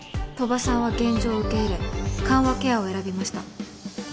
鳥羽さんは現状を受け入れ緩和ケアを選びました。